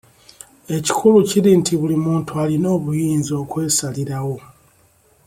Ekikulu kiri nti buli muntu alina obuyinza okwesalirawo.